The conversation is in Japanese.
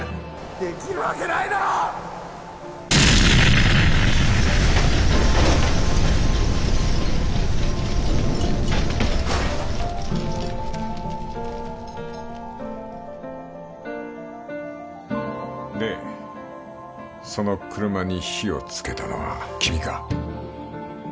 できるわけないだろッでその車に火をつけたのは君か？